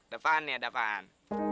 depan ya depan